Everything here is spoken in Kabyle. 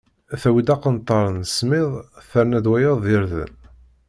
Tawwi-d aqenṭar n smid, terna-d wayeḍ d irden.